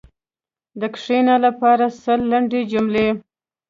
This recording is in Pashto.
د “کښېنه” لپاره سل لنډې جملې: